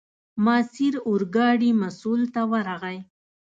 ماسیر اورګاډي مسوول ته ورغی.